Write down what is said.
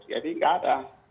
jadi nggak ada